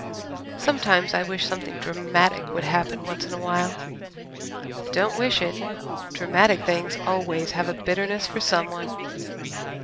Sometimes I wish something dramatic would happen once in a while." "Don't wish it. Dramatic things always have a bitterness for some one.